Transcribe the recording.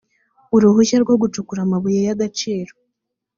uruhushya rwo gucukura amabuye y ‘agaciro